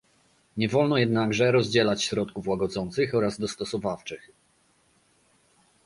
Nie wolno jednakże rozdzielać środków łagodzących oraz dostosowawczych